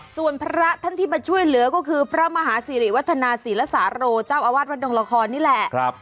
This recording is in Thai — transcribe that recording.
ส่วนพระท่านที่มาช่วยเหลือก็คือพระมหาศิริวัฒนาศิลสาโรเจ้าอาวาสวัดดงละครนี่แหละ